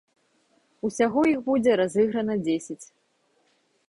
Усяго іх будзе разыграна дзесяць.